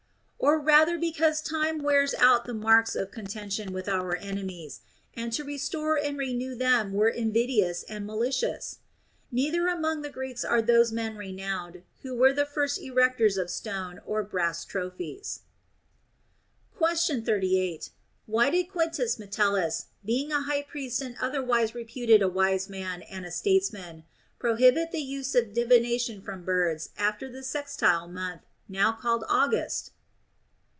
Or rather because time wears out the marks of contention with our enemies, and to restore and renew them were invidious and malicious? Neither amons; the Greeks are those men renowned who were the first erectors of stone or brass trophies. Question 38. Why did Q. Metellus, being a high priest and otherwise reputed a wise man and a statesman, pro hibit the use of divination from birds after the Sextile month, now called August